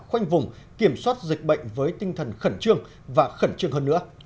khoanh vùng kiểm soát dịch bệnh với tinh thần khẩn trương và khẩn trương hơn nữa